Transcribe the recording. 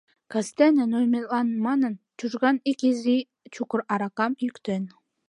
Кастене, нойыметлан манын, Чужган ик изи чукыр аракам йӱктен.